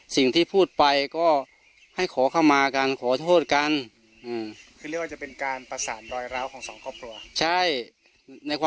สิ่งที่พูดไปก็ให้ขอเข้ามากันขอโทษกันคือเรียกว่าจะเป็นการประสานรอยร้าวของสองครอบครัวใช่